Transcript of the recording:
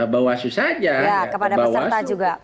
bawaslu saja kepada peserta juga